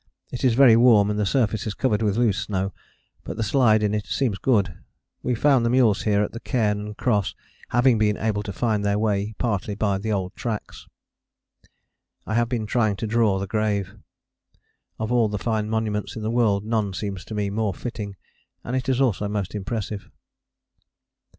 It is very warm and the surface is covered with loose snow, but the slide in it seems good. We found the mules here at the Cairn and Cross, having been able to find their way partly by the old tracks. I have been trying to draw the grave. Of all the fine monuments in the world none seems to me more fitting; and it is also most impressive.